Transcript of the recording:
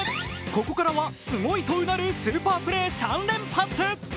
ここからはすごいとうなるスーパープレー３連発！